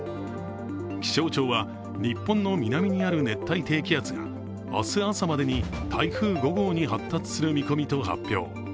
気象庁は、日本の南にある熱帯低気圧が明日朝までに台風５号に発達する見込みと発表。